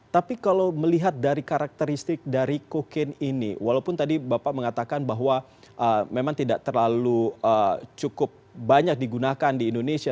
tapi kalau melihat dari karakteristik dari kokain ini walaupun tadi bapak mengatakan bahwa memang tidak terlalu cukup banyak digunakan di indonesia